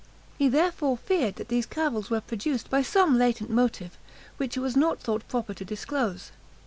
He therefore feared that these cavils were produced by some latent motive, which it was not thought proper to disclose.